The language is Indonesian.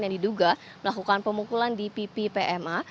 yang diduga melakukan pemukulan di pipi pma